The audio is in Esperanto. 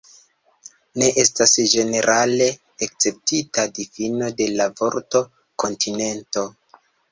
Ne estas ĝenerale akceptita difino de la vorto "kontinento.